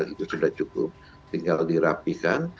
itu sudah cukup tinggal dirapikan